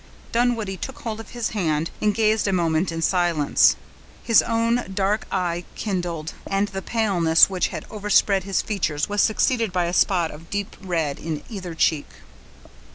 Dunwoodie took hold of his hand, and gazed a moment in silence; his own dark eye kindled, and the paleness which had overspread his features was succeeded by a spot of deep red in either cheek.